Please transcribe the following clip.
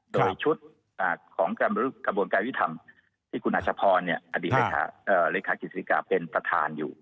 โดยชุดของกระบวนการยุทธรรมที่คุณอัชพรอดีตเลขากิจศิกาเป็นประธานอยู่